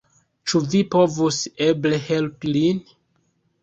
Ĉu vi povus eble helpi lin?